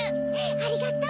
ありがとう！